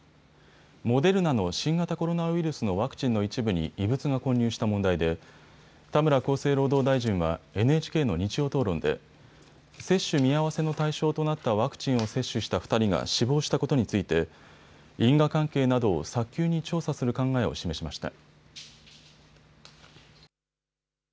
モデルナの新型コロナウイルスのワクチンの一部に異物が混入した問題で田村厚生労働大臣はＮＨＫの日曜討論で接種見合わせの対象となったワクチンを接種した２人が死亡したことについて因果関係などを早急に調査する考えを示しました。